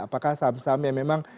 apakah saham saham yang memang